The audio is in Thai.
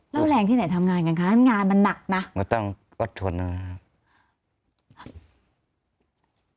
แล้วแหล่งที่ไหนทำงานกันคะทำงานมันนักนะไม่ต้องก็ทนนะครับ